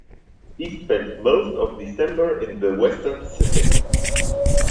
She spent most of December in the Western Pacific.